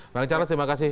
bang charles terima kasih